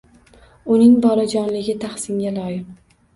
Uning bolajonligi tahsinga loyiq.